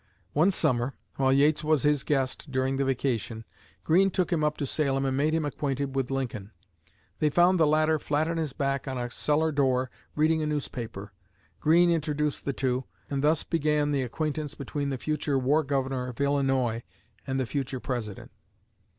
One summer while Yates was his guest during the vacation, Greene took him up to Salem and made him acquainted with Lincoln. They found the latter flat on his back on a cellar door reading a newspaper. Greene introduced the two, and thus began the acquaintance between the future War Governor of Illinois and the future President.